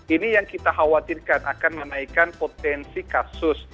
ini yang kita khawatirkan akan menaikkan potensi kasus